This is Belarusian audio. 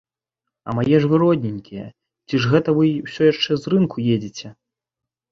А мае ж вы родненькія, ці ж гэта вы ўсё яшчэ з рынку едзеце?